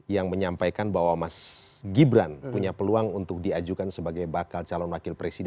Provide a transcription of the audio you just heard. yang menyampaikan bahwa mas gibran punya peluang untuk diajukan sebagai bakal calon wakil presiden